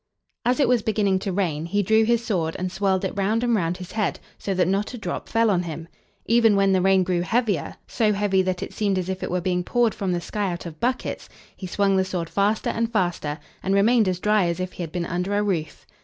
As it was beginning to rain, he drew his sword and swirled it round and round his head, so that not a drop fell on him. Even when the rain grew heavier, so heavy that it seemed as if it were being poured from the sky out of buckets, he swung the sword faster and faster, and remained as dry as if he had been under a roof.